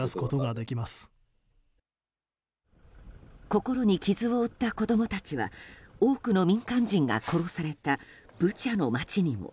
心に傷を負った子供たちは多くの民間人が殺されたブチャの街にも。